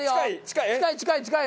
近い近い近い！